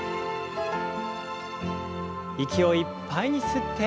息をいっぱいに吸って。